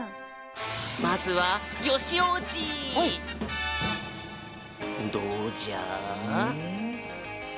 まずはどうじゃ？